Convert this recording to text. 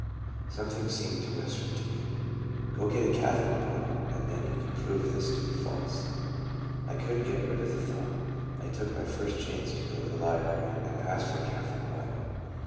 Something seemed to whisper to me, " Go get a Catholic Bible, and then you can prove this to be false." I could n't get rid of the thought. I took my first chance to go to the library and ask for a Catholic Bible.